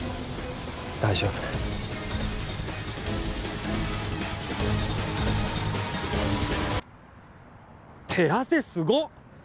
大丈夫手汗すごっ！